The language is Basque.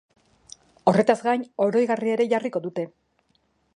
Horretaz gain, oroigarria ere jarriko dute.